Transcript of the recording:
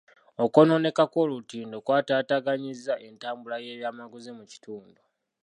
Okwonooneka kw'olutindo kwataataaganyizza entambuza y'ebyamaguzi mu kitundu.